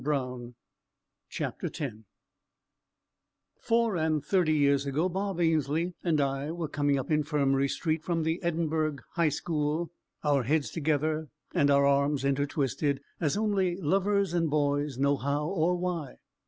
X RAB AND HIS FRIENDS Four and thirty years ago, Bob Ainslie and I were coming up Infirmary Street from the Edinburgh High School, our heads together, and our arms intertwisted, as only lovers and boys know how, or why.